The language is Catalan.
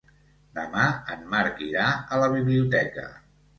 Demà en Marc irà a la biblioteca.